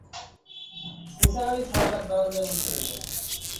নিসার আলি সারা রাত বারান্দায় বসে রইলেন।